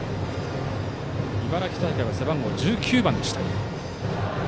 茨城大会は背番号１９番でした。